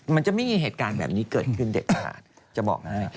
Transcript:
มันจะไม่มีเหตุการณ์แบบนี้เกิดขึ้นเด็ดขาดจะบอกให้